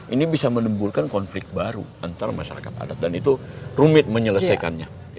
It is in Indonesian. ini bisa menimbulkan konflik baru antara masyarakat adat dan itu rumit menyelesaikannya